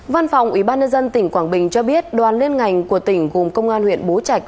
văn phòng ủy ban nhân dân tỉnh quảng bình cho biết đoàn lên ngành của tỉnh gồm công an huyện bố trạch